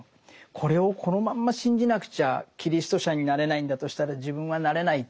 これをこのまんま信じなくちゃキリスト者になれないんだとしたら自分はなれない。